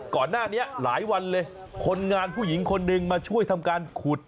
ก่อนหน้านี้หลายวันเลยคนงานผู้หญิงคนหนึ่งมาช่วยทำการขุด